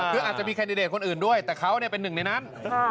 คืออาจจะมีแคนดิเดตคนอื่นด้วยแต่เขาเป็นหนึ่งในนั้น